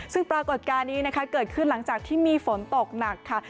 ซึ่งปรากฏการณ์นี้นะคะเกิดขึ้นหลังจากที่มีฝนตกหนักค่ะ